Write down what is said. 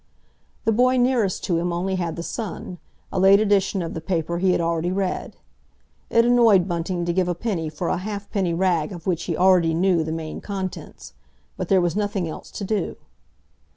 The boy nearest to him only had the Sun—a late edition of the paper he had already read. It annoyed Bunting to give a penny for a ha'penny rag of which he already knew the main contents. But there was nothing else to do.